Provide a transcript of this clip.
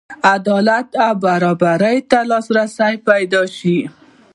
عدالت او برابرۍ ته لاسرسی پیدا شي.